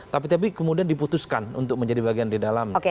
tapi kemudian diputuskan untuk menjadi bagian di dalam